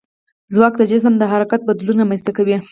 ځواک د جسم د حرکت بدلون رامنځته کوي.